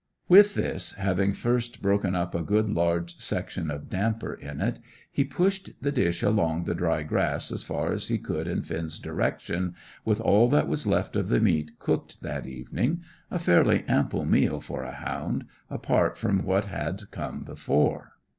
With this, having first broken up a good large section of damper in it, he pushed the dish along the dry grass as far as he could in Finn's direction, with all that was left of the meat cooked that evening, a fairly ample meal for a hound, apart from what had come before.